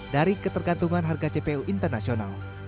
dari ketergantungan harga cpo internasional